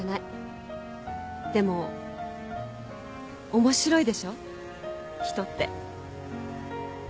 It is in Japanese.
でも面白いでしょ人って。